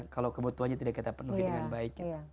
kalau kebutuhannya tidak kita penuhi dengan baik